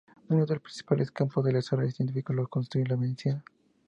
Uno de los principales campos de desarrollo científico lo constituye la medicina.